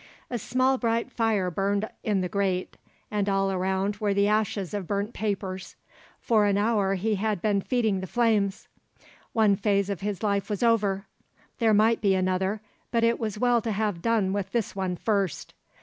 A small bright fire burned in the grate, and all around were the ashes of burnt papers. For an hour he had been feeding the flames. One phase of his life was over; there might be another, but it was well to have done with this one first.